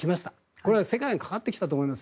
これは世界も関わってきたと思います。